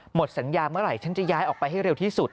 หมดสัญญาเมื่อไหร่ฉันจะย้ายออกไปให้เร็วที่สุด